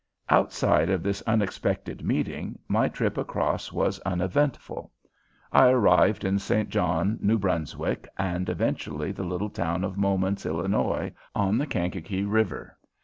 Outside of this unexpected meeting, my trip across was uneventful. I arrived in St. John, New Brunswick, and eventually the little town of Momence, Illinois, on the Kankakee River.